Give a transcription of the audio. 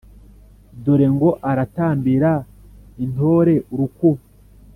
Dore ngo aratambira intore urukubo,